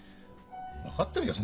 分かってるよ。